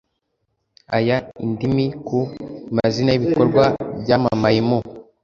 ay indimi ku mazina y ibikorwa byamamaye mu